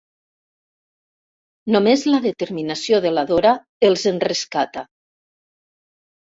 Només la determinació de la Dora els en rescata.